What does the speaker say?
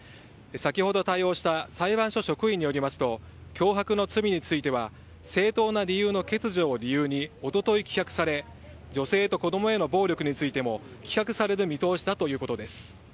先ほど対応した裁判所職員によりますと脅迫の罪については正当な理由の欠如を理由におととい、棄却され女性と子供への暴力についても棄却される見通しだということです。